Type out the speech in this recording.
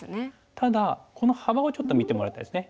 ただこの幅をちょっと見てもらいたいですね。